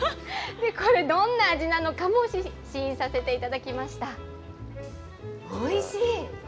これ、どんな味なのかも試飲させていただきました。